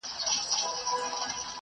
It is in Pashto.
خپلي سترګي په پاکو اوبو مینځئ.